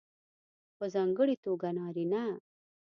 په ځانګړې توګه نارینه